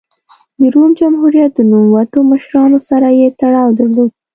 د روم جمهوریت د نوموتو مشرانو سره یې تړاو درلود